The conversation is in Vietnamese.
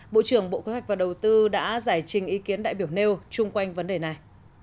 bộ trưởng bộ kế hoạch và đầu tư đã giải trình ý kiến đại biểu nêu chung quanh vấn đề này